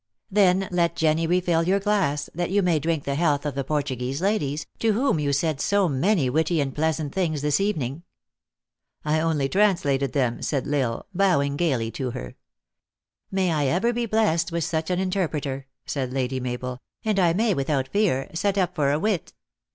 "Then let Jenny refill your glass, that you may drink the health of the Portuguese ladies, to whom you said so many witty and pleasant things this evening. " I only translated them," said L Isle, bowing gaily to her. " May I be ever blessed with such an interpreter," said Lady Mabel, " and I may, without fear, set up for 368 THE ACTRESS IN HIGH LIFE. a wit."